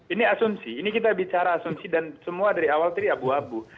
ini asumsi ini kita bicara asumsi dan semua dari awal tadi abu abu